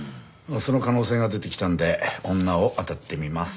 その可能性が出てきたんで女をあたってみます。